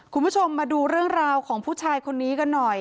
คุณผู้ชมมาดูเรื่องราวของผู้ชายคนนี้กันหน่อย